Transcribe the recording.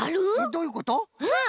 どういうこと？